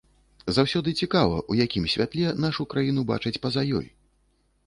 Заўсёды цікава, у якім святле нашу краіну бачаць па-за ёй.